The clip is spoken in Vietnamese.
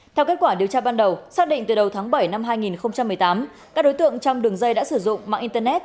theo kết quả điều tra ban đầu xác định từ đầu tháng bảy năm hai nghìn một mươi tám các đối tượng trong đường dây đã sử dụng mạng internet